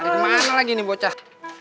ke mana lagi nih bocah